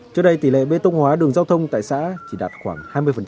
trước đây tỷ lệ bê tông hóa đường giao thông tại xã chỉ đạt khoảng hai mươi